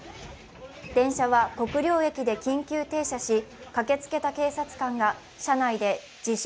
電車は国領駅で緊急停車し駆けつけた警察官が車内で自称